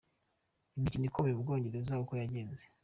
Imikino ikomeye mu Bwongereza uko yagenze.